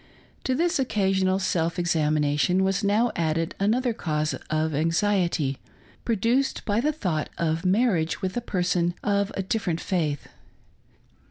To this occa sional self examination was now added another cause of anxi •ety, produced by the thought of marriage with a person of a ■different faith.